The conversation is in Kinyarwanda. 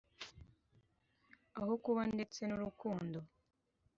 aho kuba ndetse n'urukundo